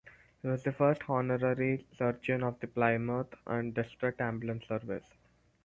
He was the first honorary surgeon of the Plymouth and District Ambulance Service.